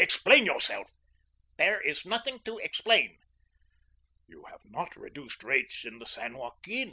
Explain yourself." "There is nothing to explain." "You have not reduced rates in the San Joaquin?